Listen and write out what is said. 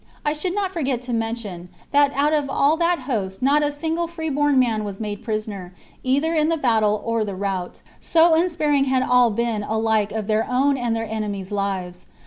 I should not forget to men tion that out of all that host not a single free born man was made prisoner, either in the battle or the rout ; so unsparing had all been alike of their own and their enemies' liv^s.